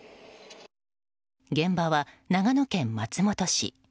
現場は長野県松本市。